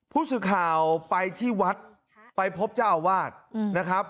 ผู้สื่อข่าวไปที่วัดไปพบเจ้าอาวาสนะครับ